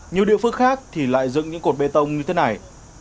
nhiều địa phương khác thì lại dựng những cột bê tông như thế này